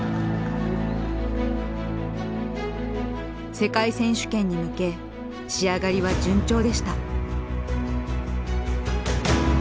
世界選手権に向け仕上がりは順調でした。